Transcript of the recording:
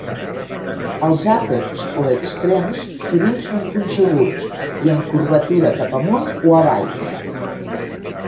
Els àpexs o extrems sovint són punxeguts i amb curvatura cap amunt o a baix.